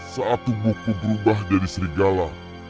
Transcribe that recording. saat tubuhku berubah menjadi serigala